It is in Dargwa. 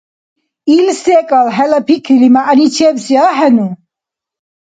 Ил секӀал хӀела пикрили, мягӀничебси ахӀену?